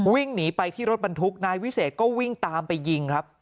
วิ่งหนีไปที่รถบรรทุกนายวิเศษก็วิ่งตามไปยิงครับ